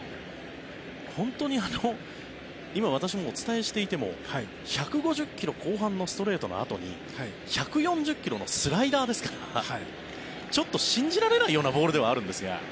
本当に今、私もお伝えしていても１５０ｋｍ後半のストレートのあとに１４０ｋｍのスライダーですからちょっと信じられないようなボールではあるんですが。